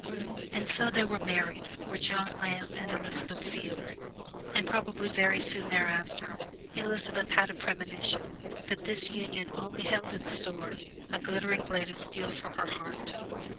And so they were married, were John Lamb and Elizabeth Field; and probably very soon thereafter Elizabeth had a premonition that this union only held in store a glittering blade of steel for her heart.